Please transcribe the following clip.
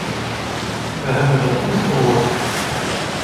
We hebben dat goed gehoord.